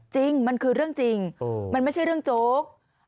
จริงมันคือเรื่องจริงมันไม่ใช่เรื่องโจ๊ก